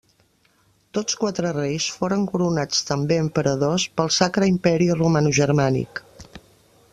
Tots quatre reis foren coronats també emperadors del Sacre Imperi Romanogermànic.